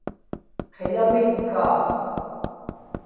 qiḷamitkaa